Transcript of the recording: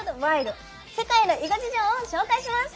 世界の囲碁事情を紹介します！